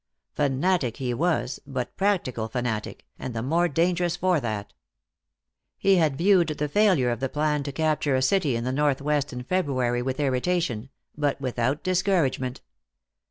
Fanatic he was, but practical fanatic, and the more dangerous for that. He had viewed the failure of the plan to capture a city in the northwest in February with irritation, but without discouragement.